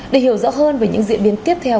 để hiểu rõ hơn về những diễn biến tiếp theo